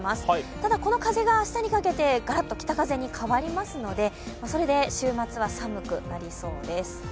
ただこの風が明日にかけてガラッと北風に変わりますのでそれで週末は寒くなりそうです。